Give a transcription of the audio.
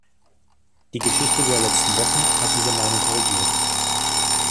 Die Geschichte der letzten Wochen hat diese Meinung korrigiert.